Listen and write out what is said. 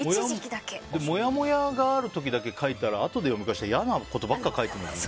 もやもやがある時だけ書いたら、あとで読み返したら嫌なことばかり書いてありますね。